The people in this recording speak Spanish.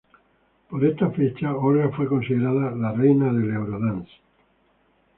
Por estas fechas, Olga fue considerada la "Reina del Eurodance".